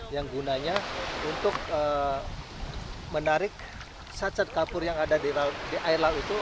yang gunanya untuk menarik sacat kapur yang ada di air laut itu